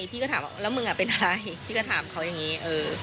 พี่ก็ถามว่าแล้วมึงเป็นอะไรพี่ก็ถามเขาอย่างนี้